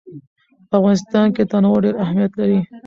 په افغانستان کې تنوع ډېر اهمیت لري.